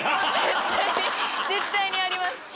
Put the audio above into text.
絶対にあります！